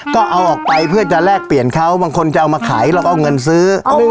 ก็เอาออกไปเพื่อจะแลกเปลี่ยนเขาบางคนจะเอามาขายเราก็เอาเงินซื้อ